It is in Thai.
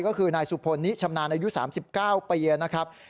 ก็คือนายสุพลนิชำนาญอายุ๓๙ปีนะครับ